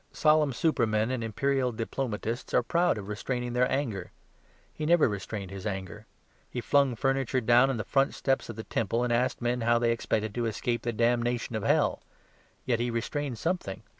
Solemn supermen and imperial diplomatists are proud of restraining their anger. He never restrained His anger. He flung furniture down the front steps of the Temple, and asked men how they expected to escape the damnation of Hell. Yet He restrained something.